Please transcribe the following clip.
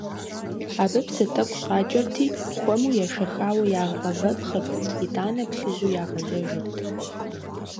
Абы псы тӏэкӏу щӏакӏэрти, хуэму ешэхауэ, ягъэвэпхъырт, итӏанэ плъыжьу ягъэжьэжырт.